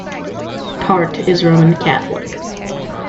Tartt is Roman Catholic.